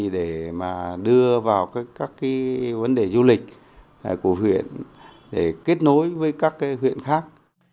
để đưa vào các vấn đề du lịch của huyện để kết nối với các huyện khác